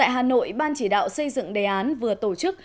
tại hà nội ban chỉ đạo xây dựng đề án vừa tổ chức